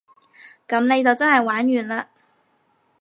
噉你就真係玩完嘞